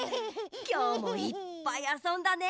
きょうもいっぱいあそんだね。